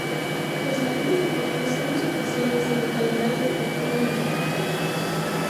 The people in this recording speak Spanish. Los siguientes deportes son los oficiales en el calendario deportivo indígena.